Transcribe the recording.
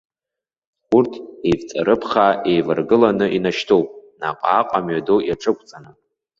Урҭ еивҵарыԥхаа еиваргыланы инашьҭуп наҟ-ааҟ амҩаду иаҿықәҵаны.